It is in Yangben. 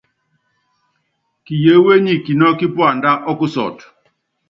Kiyeéwe nyi kinɔ́kɔ́ kípuandá ɔ́kusɔt.